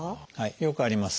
よくあります。